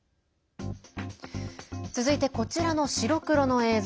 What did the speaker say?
続いて、こちらの白黒の映像。